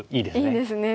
いいですね。